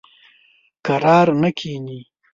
کرار نه کیني.